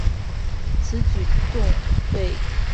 此举动对本线的影响极为深远。